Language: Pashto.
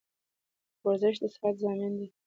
ورزش د صحت ضامن دی